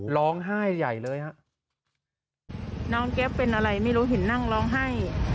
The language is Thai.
ร้องไห้ใหญ่เลยฮะน้องแก๊ปเป็นอะไรไม่รู้เห็นนั่งร้องไห้